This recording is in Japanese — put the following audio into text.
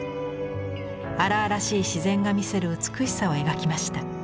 荒々しい自然が見せる美しさを描きました。